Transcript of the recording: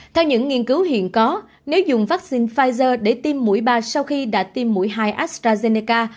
theo những nghiên cứu hiện có nếu dùng vaccine pfizer để tiêm mũi bà sau khi đã tiêm mũi hai astrazeneca